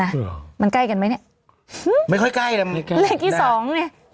น่ะมันใกล้กันไหมเนี้ยไม่ค่อยใกล้นะเลขที่สองเนี้ย